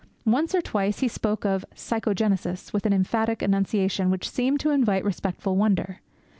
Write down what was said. Once or twice he spoke of "psychogenesis" with an emphatic enunciation which seemed to invite respectful wonder.